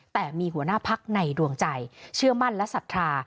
แต่มีหัวหน้าพักในดวงใจเชื่อมั่นและศรัทธา